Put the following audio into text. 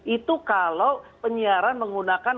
itu kalau penyiaran menggunakan